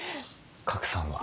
賀来さんは？